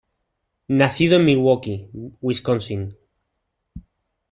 Nacido en Milwaukee, Wisconsin.